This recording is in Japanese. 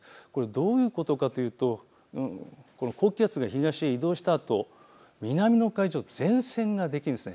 どういうことかというと高気圧が東へ移動したあと南の海上、前線ができるんです。